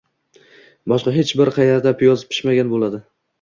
boshqa hech bir yerda piyoz pishmagan bo‘ladi